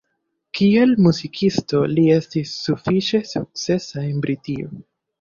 Kiel muzikisto li estis sufiĉe sukcesa en Britio.